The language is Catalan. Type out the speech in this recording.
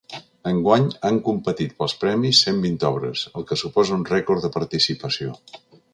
Enguany han competit pels premis cent vint obres, el que suposa un rècord de participació.